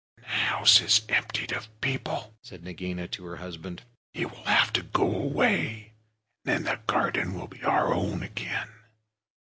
"When the house is emptied of people," said Nagaina to her husband, "he will have to go away, and then the garden will be our own again.